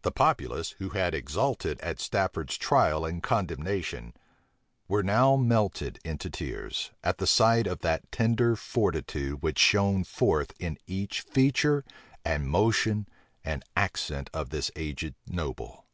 The populace, who had exulted at Stafford's trial and condemnation, were now melted into tears, at the sight of that tender fortitude which shone forth in each feature, and motion, and accent of this aged noble.